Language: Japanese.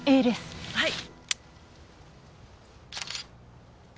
はい。